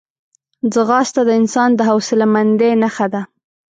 ځغاسته د انسان د حوصلهمندۍ نښه ده